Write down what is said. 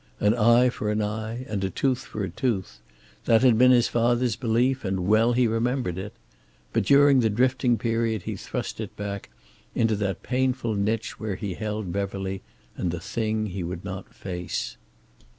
An eye for an eye, and a tooth for a tooth. That had been his father's belief, and well he remembered it. But during the drifting period he thrust it back, into that painful niche where he held Beverly, and the thing he would not face.